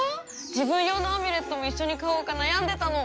自分用のアミュレットも一緒に買おうか悩んでたの。